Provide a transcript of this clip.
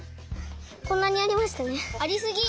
こんなにありましたね。ありすぎ！